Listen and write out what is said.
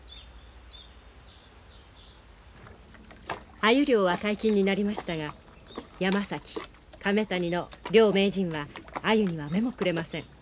アユ漁は解禁になりましたが山崎亀谷の両名人はアユには目もくれません。